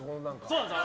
そうなんです。